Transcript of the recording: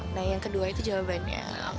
nah yang kedua itu jawabannya